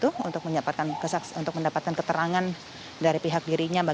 untuk mendapatkan keterangan dari pihak dirinya